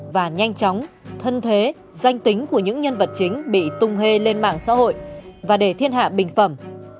và nhanh chóng thân thế danh tính của những nhân vật chính bị tung hê lên mạng xã hội và để thiên hạ bình phẩm